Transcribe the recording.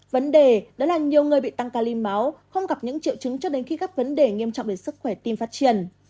vấn đề đó là nhiều người bị tăng calin máu không gặp những triệu chứng cho đến khi các vấn đề nghiêm trọng đến sức khỏe tim phát triển